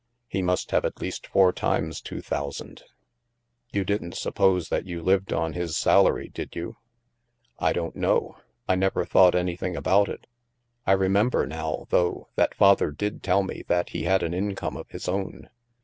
He must have at least four times two thousand. You didn't suppose that you lived on his salary, did you ?"'* I don't know. I never thought anything about it. I remember now, though, that Father did tell me that he had an income of his own.